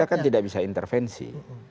kita kan tidak bisa intervensi